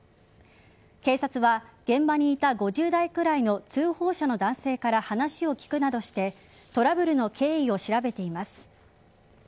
警察は現場にいた５０代くらいの通報者の男性から話を聞くなどしてトラブルの経緯を調べています。